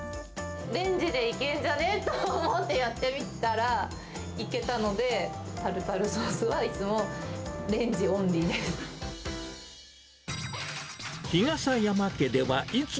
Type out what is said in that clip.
レンジでいけんじゃねと思ってやってみたらいけたので、タルタルソースはいつもレンジオンリーです。